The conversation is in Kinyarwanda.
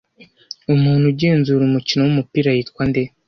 Umuntu ugenzura umukino wumupira yitwa nde